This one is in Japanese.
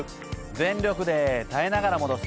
全力で耐えながら戻す。